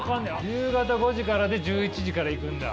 夕方５時からで１１時から行くんだ。